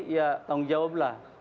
ya tanggung jawablah